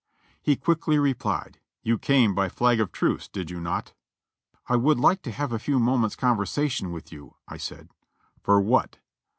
He quickly replied, "You came by flag of truce, did you not?" "I would like to have a few moments' conversation with you," I said. "For what?"